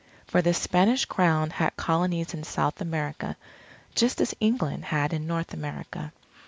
For the Spanish Crown had Colonies in South America, just as England had in North America.